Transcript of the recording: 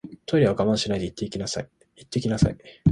トイレは我慢しないで行ってきなさい